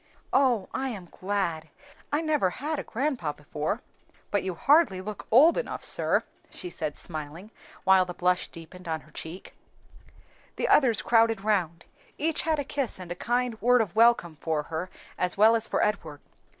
"Oh, I am glad! I never had a grandpa before. But you hardly look old enough, sir," she said, smiling, while the blush deepened on her cheek. The others crowded round; each had a kiss and kind word of welcome for her as well as for Edward.